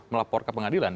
melapor ke pengadilan